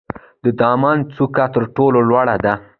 د دماوند څوکه تر ټولو لوړه ده.